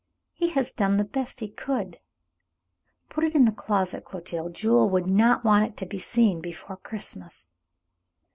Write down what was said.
"He has done the best he could. Put it in the closet, Clotilde. Jules would not want it to be seen before Christmas."